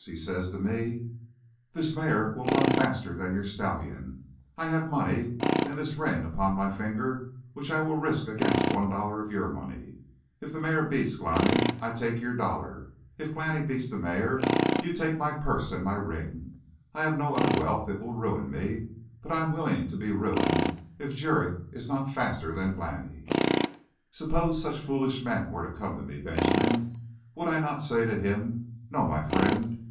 He says to me: 'This mare will run faster than your stallion. I have money and this ring upon my finger which I will risk against one dollar of your money; If the mare beats Glani I take your dollar. If Glani beats the mare, you take my purse and my ring; I have no other wealth. It will ruin me, but I am willing to be ruined if Jurith is not faster than Glani. "Suppose such foolish man were to come to me, Benjamin, would I not say to him: 'No, my friend.